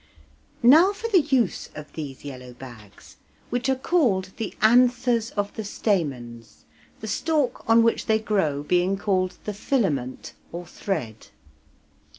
Now for the use of these yellow bags, which are called the anthers of the stamens, the stalk on which they grow being called the filament or thread.